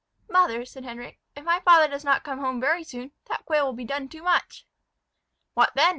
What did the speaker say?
"Mother," said Henric, "if my father does not come home very soon, that quail will be done too much." "What then?"